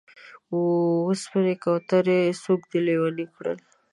و سپینې کوترې! څوک دې لېونی کړل؟